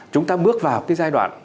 chúng ta bước vào cái giai đoạn